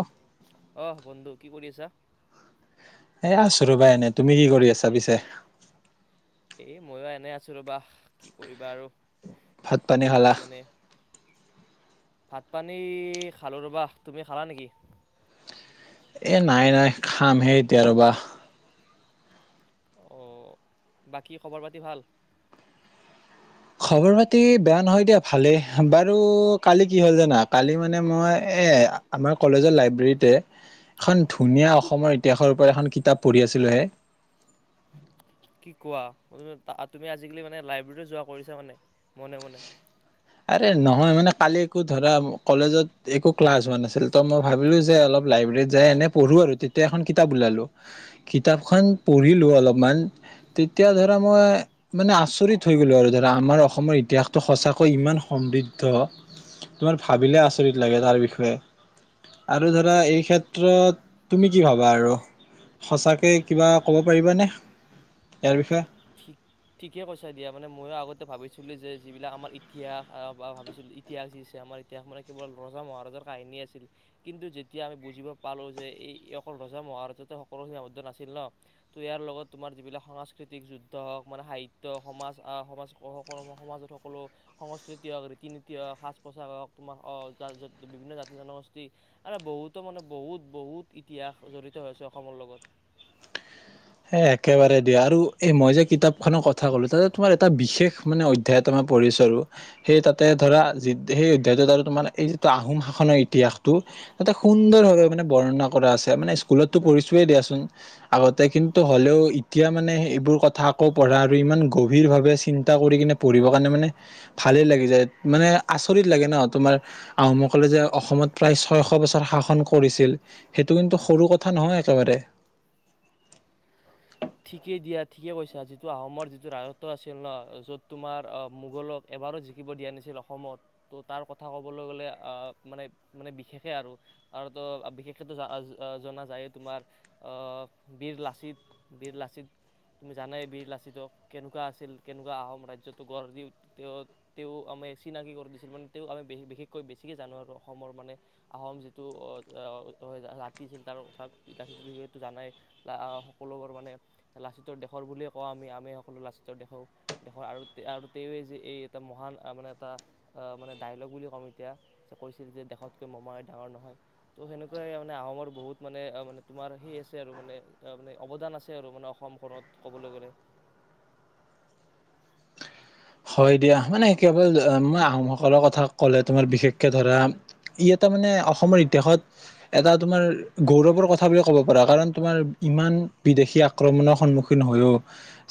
অ- অহ বন্ধু, কি কৰি আছা? এ আছো ৰ'বা এনে, তুমি কি কৰি আছা পিছে? এ ময়ো এনে আছো ৰবা, কি কৰিবা আৰু। ভাত পানি বহি খালা? আছো এনে ভাত পানী, খালোঁ ৰ'বা তুমি খালা নেকি? এ নাই নাই, খামহে এতিয়া ৰবা। অ, বাকী খবৰ পাতি ভাল? খবৰ পাতি বেয়া নহয় দিয়া ভালেই, বাৰু কালি কি হ'ল জানা কালি মানে মই এ আমাৰ কলেজৰ লাইব্ৰেৰীতে এখন ধুনীয়া অসমৰ ইতিহাসৰ ওপৰত এখন কিতাপ পঢ়ি আছিলোহে। কি কোৱা, তুমি আজিকালি মানে লাইব্ৰেৰী যোৱা কৰিছা মানে, মনে মনে। আৰে নহয় মানে কালি একো ধৰা, কলেজত একো ক্লাছ হোৱা নাছিল ত মই ভাবিলো যে অলপ লাইব্ৰেৰত যাই এনে পঢ়ো আৰু তেতিয়া এখন কিতাপ ওলালো, কিতাপখন পঢ়িলো অলপমান, তেতিয়া ধৰা মই মানে আচৰিত হৈ গলো আৰু ধৰা আমাৰ অসমৰ ইতিহাসটো সঁচা ইমান সমৃদ্ধ, তোমাৰ ভাবিলে আচৰিত লাগে তাৰ বিষয়ে, আৰু ধৰা এই ক্ষেত্ৰত, তুমি কি ভাবা আৰু সঁচাকৈ কিবা ক'ব পাৰিবানে ইয়াৰ বিষয়ে ঠিক ঠিকে কৈছা দিয়া মানে ময়ো আগতে ভাবিছিলোঁ যে যিবিলাক আমাৰ ইতিহাস বা ভাবিছিলোঁ ইতিহাস যি আছে আমাৰ ইতিহাস মানে কেৱল ৰজা মহাৰাজাৰ কাহিনী আছিল, কিন্তু যেতিয়া আমি বুজিব পালোঁ যে এই অকল ৰজা মহাৰাজাতে সকলো সিনাবদ্ধ নাছিল ন, ত' ইয়াৰ লগত তোমাৰ যিবিলাক সাংস্কৃতিক যুদ্ধ হওক মানে সাহিত্য, সমাজ আহ, সমাজ সকলো সমাজত সকলো সংস্কৃতি হওক, ৰীতি -নীতি হওক, সাজ পোছাক হওক তোমাৰ বিভিন্ন জাতি জনগোষ্ঠী মান বহুতো মানে বহুত বহুত ইতিহাস জড়িত হৈছে অসমৰ লগত। হে একেবাৰে দিয়া আৰু এ মই যে কিতাপখনক ক কথা কলো, তাতে তোমাৰ এটা বিশেষ মানে অধ্যায় তোমাৰ পঢ়িছো আৰু সেই তাতে ধৰা সেই অধ্যায় আৰু তোমাৰ এই যিটো আহোম শাসনৰ ইতিহাসটো তাতে সুন্দৰভাৱে অ মানে বৰ্ণনা কৰা আছে মানে স্কুলতো পঢ়িছোৱেই দিয়াচোন, আগতে কিন্তু টো হ'লেও, এতিয়া মানে এইবোৰ কথা আকৌ পঢ়া আৰু ইমান গভীৰ ভাৱে চিন্তা কৰি কিনে পঢ়িব কাৰণে মানে ভালে লাগি যায় মানে আচৰিত লাগে ন তোমাৰ আহোম সকলে যে অসমত প্ৰায় ছয়শ বছৰ শাসন কৰিছিল সেইটো কিন্তু সৰু কথা নহয় একেবাৰে ঠিকেই দিয়া, ঠিকেই কৈছা যিটো আহোমৰ যিটো ৰাজত্ব আছিল ন, য'ত তোমাৰ আহ, মোগলক এবাৰো জিকিব দিয়া নাছিল অসমত, ত' তাৰ কথা কবলৈ গলে আহ মানে মানে বিশেষে আৰু আৰু ত বিশেষকে জনা যায় তোমাৰ আহ বীৰ লাচিত বীৰ লাচিত, তুমি জানাই বীৰ লাচিতক কেনেকুৱা আছিল, কেনেকুৱা আহোম ৰাজ্যটো গঢ় দি তেওঁ তেওঁ আমি চিনাকি কৰি দিছিল মানে তেওঁক আমি বিশেষকৈ বেছিকৈ জানো আৰু অসমৰ মানে আহোম যিটো জাতিছিল তাৰ কথা বীৰ লাচিতৰ বিষয়ো জানাই সকলোবোৰ ভবানে, লাচিতৰ দেশৰ বুলি কওঁ আমি সকলো লাচিতৰ দেশৰ আৰু তেওঁ। এই এটা মহান মানে এটা মানে ডাইলগ বুলি কম এতিয়া কৈছিল যে দেশতকৈ মোমাই ডাঙৰ নহয় ত সেনেকুৱাই মানে আহোমৰ বহুত মানে মানে তোমাৰ সে আছে আৰু মানে মানে অৱদান আছে। আৰু মানে অসমখনত ক'বলৈ গ'লে হয় দিয়া, মানে কেৱল মই আহোমসকলৰ কথা কলে তোমাৰ বিশেষকে ধৰা ই এটা মানে অসমৰ ইতিহাসত এটা তোমাৰ গৌৰৱৰ কথা বুলি ক'ব পাৰা কাৰণ তোমাৰ ইমান বিদেশী আক্ৰমণৰ সন্মুখীন হৈও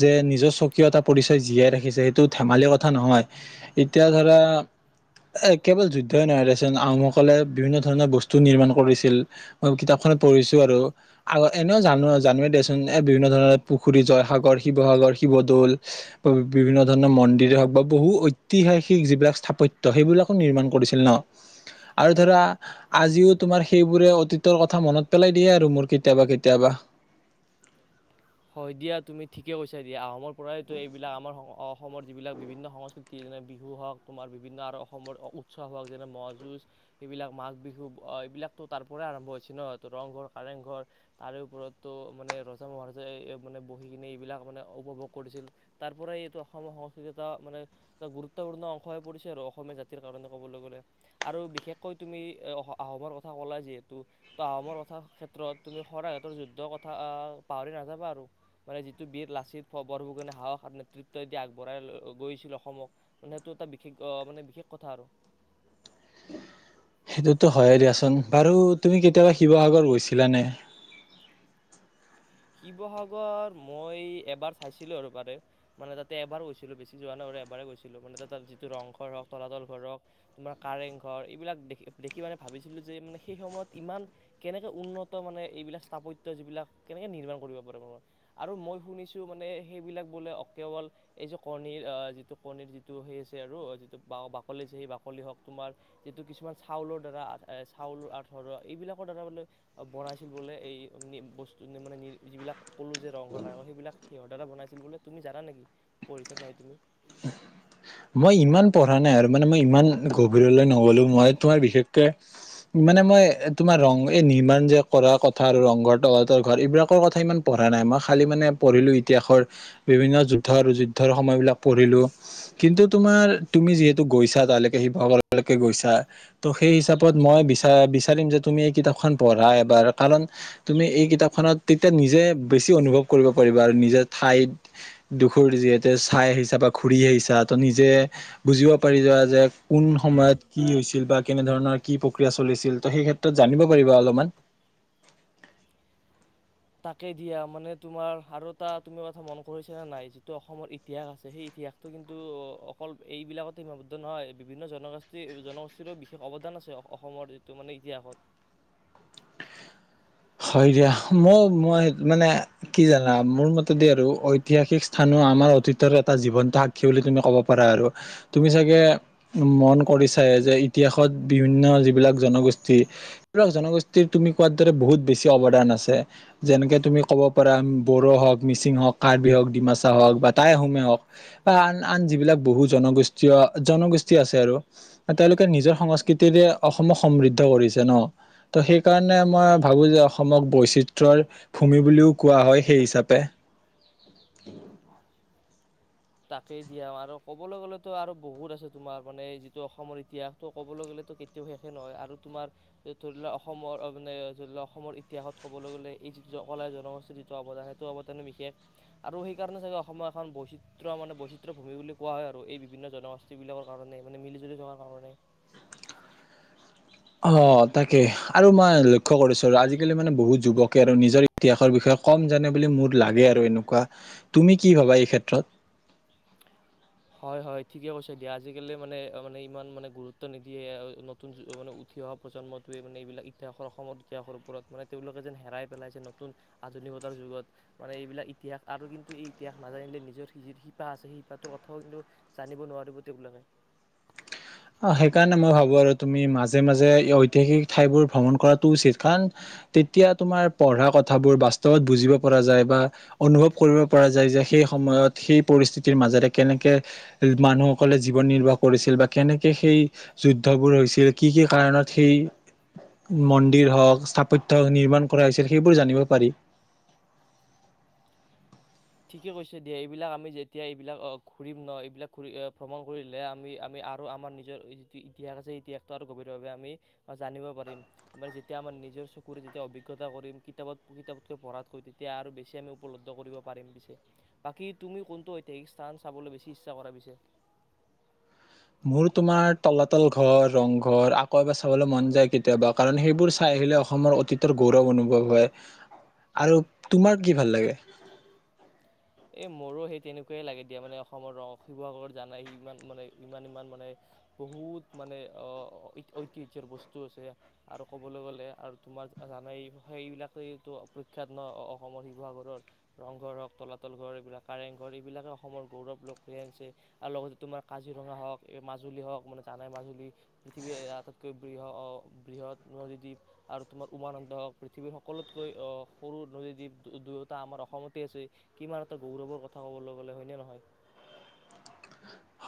যে নিজৰ স্বকীয়টা পৰিচয় জীয়াই ৰাখিছে সেইটোত ধেমালি কথা নহয়, এতিয়া ধৰা, এ কেৱল যুদ্ধই নহয় দেচন আহোসকলে বিভিন্ন ধৰণৰ বস্তু নিৰ্মাণ কৰিছিল, মই কিতাপখনে পঢ়িছো আৰু এনে জানো জানে দেচোন এ বিভিন্ন ধৰণৰ পুখুৰী জয়সাগৰ, শিৱসাগৰ, শিৱদৌল বিভিন্ন ধৰণৰ মন্দিৰে হওক বা বহু ঐতিহাসিক যিবিলাক স্থাপত্য সেইবিলাকো নিৰ্মান কৰিছিল ন আৰু ধৰা আজিও তোমাৰ সেইবোৰে অতীতৰ কথা মনত পেলাই দিয়ে আৰু মোৰ কেতিয়াবা কেতিয়াবা। হয় দিয়া তুমি ঠিকে কৈছা দিয়া আহোমৰ পৰাইতো এইবিলাক আমাৰ অসমৰ যিবিলাক বিভিন্ন সংস্কৃতি যেনে বিহু হওক তোমাৰ বিভিন্ন আৰু অসমৰ উৎসৱ হওক যেনে মহ যুঁজ সেইবিলাক মাঘ বিহু এইবিলাকো তাৰ পৰাই আৰম্ভ হৈছে ন ৰংঘৰ কাৰেং ঘৰ তাৰে ওপৰত ত ৰজা মহাৰজা যে মানে বহি কিনে এইবিলাক মানে উপভোগ কৰিছিল তাৰ পৰাই এইটো অসমৰ সংস্কৃতি এটা মানে এটা গুৰুত্বপূৰ্ণ অংশ হৈ পৰিছে আৰু অসমীয়া জাতিৰ কাৰণে ক'বলৈ গ'লে, আৰু বিশেষকৈ তুমি এ আহোমৰ কথা ক'লা যিহেতু, ত আহোমৰ কথা ক্ষেত্ৰত তুমি শৰাইঘাটৰ যুদ্ধ কথা পাহৰি না নাযাবা আৰু মানে যিটো বীৰ লাচিত বৰফুকনে সাহস নেতৃত্ব দি আগবঢ়াই গৈছিল অসমক মানে সেইটো এটা বিশেষ আহ মানে বিশেষ কথা আৰু। সেইটোতো হয়ে দিয়াচোন, বাৰু তুমি কেতিয়াবা শিৱসাগৰত গৈছিলানে? শিৱসাগৰ, মই এবাৰ চাইছিলোঁ আৰু পাৰে মানে তাতে এবাৰ গৈছিলোঁ বেছি যোৱা নাই এবাৰে গৈছিলোঁ মানে তা যিটো ৰংঘৰ হওঁক তলাতল ঘৰ হওক তোমাৰ কাৰেংঘৰ এইবিলাক দে দেখি মানে ভাবিছিলোঁ যে মানে, সেই সময়ত ইমান কেনেকে উন্নত মানে, এইবিলাক স্থাপত্য যিবিলাক কেনেকৈ নিৰ্মাণ কৰিব পাৰিব, আৰু মই শুনিছোঁ মানে সেইবিলাক বোলে কেৱল এই যে কণীৰ, যিটো কণীৰ, যিটো সেই আছে আৰু যিটো বাকলি আছে সেই বাকলি হওক তোমাৰ যিটো কিছুমান চাউলৰ দ্বাৰা, চাউলৰ আঠৰা এইবিলাকৰ দ্বাৰা বোলে বনাইছিল বোলে এই বস্তু মানে যিবিলাক ক'লো যে ৰং ঘৰ, কাৰেংঘৰ, সেইবিলাক সিহতৰ দ্বাৰা বনাইছিল বোলে তুমি জানা নেকি, পঢ়িচা নহয় তুমি? মই ইমান পঢ়া নাই আৰু মানে মই ইমান গভীৰলৈ নগলো মই তোমাৰ বিশেষকে, মানে মই তোমাৰ ৰং এই নিৰ্মাণ যে কৰা কথা আৰু ৰংঘৰ, তলাতৰ ঘৰ, এইবিলাকৰ কথা ইমান পঢ়া নাই, মই খালি মানে পঢ়িলো ইতিহাসৰ বিভিন্ন যুদ্ধ আৰু যুদ্ধৰ সময় বিলাক পঢ়িলো কিন্তু তোমাৰ, তুমি যিহেতু গৈছা তালৈকে শিৱসাগৰলৈকে গৈছা, ত' সেই হিচাপত মই বিচ বিচাৰিম যে তুমি এই কিতাপখন পঢ়া এবাৰ কাৰণ তুমি এই কিতাপখনত তেতিয়া নিজে বেছি অনুভৱ কৰিব পাৰিবা আৰু নিজে ঠাইত, দুখ যিহেতু চাই আহিছা বা ঘূৰি আহিছা ত নিজে বুজিব পাৰি যোৱা যে কোন সময়ত কি হৈছিল বা কেনে ধৰণৰ কি প্ৰক্ৰিয়া চলিছিল ত সেই ক্ষেত্ৰত জানিব পাৰিবা অলপমান। তাকে দিয়া মানে তোমাৰ আৰু এটা তুমি কথা মন কৰিছা নে নাই যিটো অসমৰ ইতিহাস আছে সেই ইতিহাসটো কিন্তু অকল এইবিলাকতে সীমাবদ্ধ নহয়, বিভিন্ন জনগোষ্ঠী জনগোষ্ঠীৰো বিশেষ অৱদান আছে অসমৰ যিটো মানে ইতিহাসত হয় দিয়া, মই মই মানে কি জানা, মোৰ মতে দে আৰু ঐতিহাসিক স্থানো আমাৰ অতীতৰ এটা জীৱন্ত সাক্ষী বুলি তুমি ক'ব পাৰা আৰু তুমি চাগে, মন কৰিছাই যে ইতিহাসত বিভিন্ন যিবিলাক জনগোষ্ঠী সেইবিলাক জনগোষ্ঠীৰ তুমি কোৱাৰ দৰে বহুত বেছি অৱদান আছে, যেনেকে তুমি ক'ব পাৰা বড়ো হওক, মিচিং হওঁক, কাৰ্বি হওক, ডিমাচা হওক বা টাই আহোমে হওক বা আন আন যিবিলাক বহু জনগোষ্ঠীয় জনগোষ্ঠী আছে আৰু তেওঁলোকে নিজৰ সংস্কৃতিৰে অসমক সমৃদ্ধ কৰিছে ন, ত' সেইকাৰণে মই ভাবোঁ যে অসমক বৈচিত্ৰৰ ভূমি বুলিও কোৱা হয়, সেই হিচাপে। তাকেই দিয়া আৰু ক'বলৈ গলেতো আৰু বহুত আছে, তোমাৰ মানে যিটো অসমৰ ইতিহাসটো ক'বলৈ গলেতো কেতিয়াও শেষে নহয় আৰু তোমাৰ ধৰি লোৱা অসমৰ মানে ধৰি লোৱা অসমৰ ইতিহাসত কবলৈ গলে এই যিটো কলা জনগোষ্ঠী যিটো অৱদান সেইটো অৱদান বিশেষ আৰু সেইকাৰণে চাগে অসমৰ এখন বৈচিত্ৰ চিত্ৰ মানে বৈচিত্ৰয় ভূমি বুলি কোৱা হয় আৰু এই বিভিন্ন জনগোষ্ঠী বিলাকৰ কাৰণে মানে মিলি জুলি থকাৰ কাৰণে। অ তাকে, আৰু মই লক্ষ্য কৰিছো আৰু আজিকালি মানে বহুত যুৱকে আৰু নিজৰ ইতিহাসৰ বিষয়ে কম জানে বুলি মোৰ লাগে আৰু এনেকুৱা, তুমি কি ভাবা এই ক্ষেত্ৰত? হয়-হয়, ঠিকে কৈছে দিয়া আজিকালি মানে-মানে, ইমান মানে গুৰুত্ব নিদিয়ে নতুন মানে উঠি অহা প্ৰজন্মটোৱে মানে এইবিলাক ইতিহাসৰ অসমৰ ইতিহাসৰ ওপৰত মানে, তেওঁলোকে যেন হেৰাই পেলাইছে নতুন আধুনিকতাৰ যুগত মানে এইবিলাক ইতিহাস আৰু কিন্তু এই ইতিহাস নাজানিলে নিজৰি যে শিপা আছেই শিপাটোৰ কিন্তু জানিব নোৱাৰিব তেওঁবিলাকে। অ', সেইকাৰণে মই ভাবো আৰু তুমি মাজে মাজে ঐতিহাসিক ঠাইবোৰ ভ্ৰমণ কৰাটো উচিত, কাৰণ তেতিয়া তোমাৰ পঢ়া কথাবোৰ বাস্তৱত বুজিব পৰা যায় বা অনুভৱ কৰিব পৰা যায় যে সেই সময়ত সেই পৰিস্থিতিৰ মাজেৰে কেনেকে মানুহসকলে জীৱন নিৰ্বাহ কৰিছিল, বা কেনেকে সেই যুদ্ধবোৰ হৈছিল কি-কি কাৰণত সেই মন্দিৰ হওঁক স্থাপত্য হক, নিৰ্মাণ কৰা হৈছিল সেইবোৰ জানিব পাৰি। ঠিকে কৈছে দিয়া, এইবিলাক আমি যেতিয়া এইবিলাক ঘূৰিম ন এইবিলাক ঘূৰি ভ্ৰমণ কৰিলে, আমি-আমি আৰু আমাৰ নিজৰ যিটো ইতিহাস আছে ইতিহাসটো আৰু গভীৰভাৱে আমি জানিব পাৰিম। আমাৰ যেতিয়া আমাৰ নিজৰ চকুৰে যেতিয়া অভিজ্ঞতা কৰিম, কিতাপত কিতাপতকৈ পঢ়াতকৈ তেতিয়া আৰু বেছি আমি উপলব্ধ কৰিব পাৰিম। পাৰিম বিছে বাকী তুমি কোনটো ঐতিহাসিক স্থান চাবলৈ বেছি ইচ্ছা কৰা পিছে। মোৰ তোমাৰ তলাতল ঘৰ ৰংঘৰ আকৌ এবাৰ চাবলৈ মন যায় কেতিয়াবা কাৰণ সেইবোৰ চাই আহিলে অসমৰ অতীতৰ গৌৰৱ অনুভৱ হয় আৰু তোমাৰ কি ভাল লাগে? এই মোৰো সেই তেনেকুৱাই লাগে দিয়া, মানে অসমৰ ৰ শিৱসাগৰ জানাই ইমান মানে ইমান-ইমান মানে বহুত মানে ঐতিহ্যৰ বস্তু আছে আৰু ক'বলৈ গ'লে আৰু তোমাৰ জানাই সেইবিলাক টো প্ৰখ্যাত ন অসমৰ শিৱসাগৰৰ ৰংঘৰ হওক তলাতল তল ঘৰ এইবিলাক কাৰেংঘৰ এইবিলাকে অসমৰ গৌৰৱ লগ হৈ আনিছে আৰু লগতে তোমাৰ কাজিৰঙা হওক এই মাজুলী হওক মানে জানাই মাজুলী পৃথিৱীৰ আটাইতকৈ বৃ বৃহৎ নদীদ্বীপ আৰু তোমাৰ উমানন্দ হওক পৃথিৱীৰ সকলোতকৈ সৰু নদীদ্বীপ দুয়োটা আমাৰ অসমতে আছে। কিমান এটা গৌৰৱৰ কথা কবলৈ গ'লে হয়নে নহয়।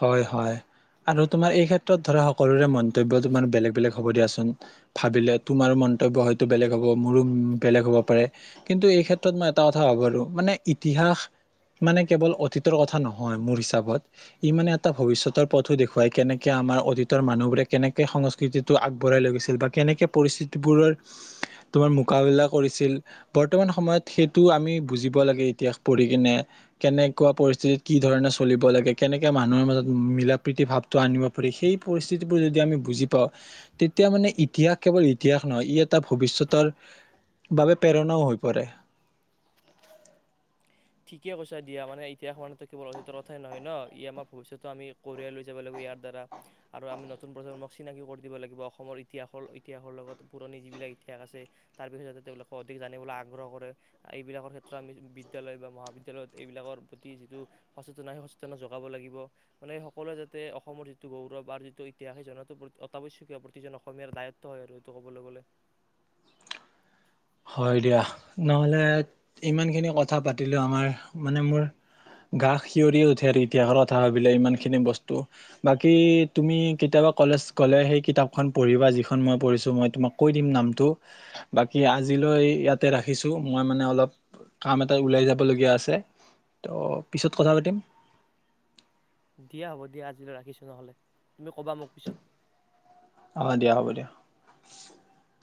হয়-হয় আৰু তোমাৰ এই ক্ষেত্ৰত ধৰা সকলোৰে মন্তব্য তোমাৰ বেলেগ-বেলেগ হ'ব দিয়াচোন, ভাবিলে তোমাৰ মন্তব্য হয়তো বেলেগ হ'ব, মোৰো বেলেগ হ'ব পাৰে কিন্তু এই ক্ষেত্ৰত মই এটা কথা ভাবো ৰো মানে ইতিহাস মানে কেৱল অতীতৰ কথা নহয়, মোৰ হিচাপত। ই মানে এটা ভৱিষ্যতৰ পথো দেখুৱাই কেনেকে আমাৰ অতীতৰ মানুহবোৰে কেনেকে সংস্কৃতিটো আগবঢ়াই লৈগৈছিল বা কেনেকে পৰিস্থিতিবোৰৰ তোমাৰ মোকাবিলা কৰিছিল। বৰ্তমান সময়ত সেইটো আমি বুজিব লাগে ইতিহাস পঢ়ি কিনে কেনেকুৱা পৰিস্থিতিত কি ধৰণে চলিব লাগে। কেনেকে মানুহৰ মাজত মিলা প্ৰীতি ভাৱটো আনিব পাৰি সেই পৰিস্থিতিবোৰ যদি আমি বুজি পাওঁ। তেতিয়া মানে ইতিহাস কেৱল ইতিহাস নহয় ই এটা ভৱিষ্যতৰ বাবে প্ৰেৰণাও হৈ পৰে। ঠিকে কৈছা দিয়া মানে ইতিহাসৰ মানে কেৱল কথাই নহয় ন, ই আমাৰ ভৱিষ্যতটো আমি কঢ়িয়াই লৈ যাব লাগিব ইয়াৰ দ্বাৰা আৰু আমি নতুন প্ৰজন্মক চিনাকি কৰি দিব লাগিব অসমৰ ইতিহাসৰ ইতিহাসৰ লগত পুৰণি যিবিলাক ইতিহাস আছে, তাৰ বিষয়ে যাতে তেওঁলোকক অধিক জানিবলৈ আগ্ৰহ কৰে এইবিলাকৰ ক্ষেত্ৰত আমি বিদয়ালয় বা মহাবিদ্যালয়ত এইবিলাকৰ প্ৰতি যিটো সচেতন সেই সচেতন যোগাব লাগিব, মানে সকলোৱে যাতে অসমৰ যিটো গৌৰৱ আৰু যিটো ইতিহাস সেই জনটো অতাৱশ্যকীয় প্ৰতিজন অসমীয়াৰ দায়ত্ব হয় আৰু সেইটো কবলৈ গলে। হয় দিয়া, নহলে ইমানখিনি কথা পাতিলো আমাৰ মানে মোৰ গা'সিহৰি উঠে আৰু ইতিহাসৰ কথা ভাবিলে ইমান খিনি বস্তু বাকী তুমি কেতিয়াবা কলেজ গলে সেই কিতাপখন পঢ়িবা, যিখন মই পঢ়িছো মই তোমাক কৈ দিম। নামটো বাকী আজিলৈ ইয়াতে ৰাখিছোঁ মই মানে অলপ কাম এটা ওলাই যাবলগীয়া আছে ত' পিছত কথা পাতিম। দিয়া হ'ব দিয়া আজিলৈ ৰাখিছো নহলে। তুমি ক'বা মোক পিছত। [unintelligible]